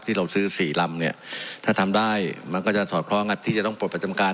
ที่เราซื้อ๔ลำเนี่ยถ้าทำได้มันก็จะสอดคล้องกับที่จะต้องปลดประจำการ